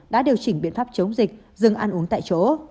đã điều chỉnh biện pháp chống dịch dừng ăn uống tại chỗ